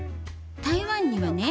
台湾にはね